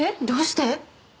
どうして？